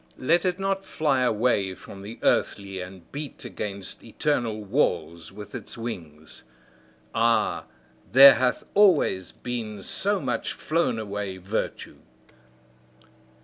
Let it not fly away from the earthly and beat against eternal walls with its wings! Ah, there hath always been so much flown away virtue!